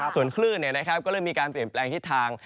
ข้องคื่นนี้ค่ะก็เลยมีการเปลี่ยนแปลงทิศทาง